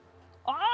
あ！